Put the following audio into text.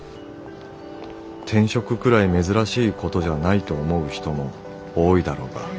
「転職くらい珍しいことじゃないと思う人も多いだろうが」。